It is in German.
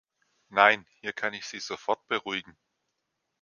Nein, hier kann ich Sie sofort beruhigen.